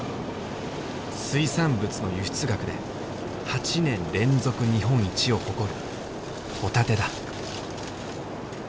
水産物の輸出額で８年連続日本一を誇るホタテだ。